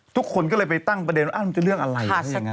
ทุกคนก็เลยไปตั้งประเด็นว่าอ้าวมันจะเรื่องอะไร